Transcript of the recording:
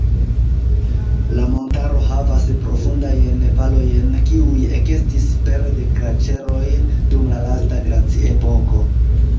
La montaro havas profundajn valojn, kiuj ekestis pere de glaĉeroj dum la lasta glaciepoko.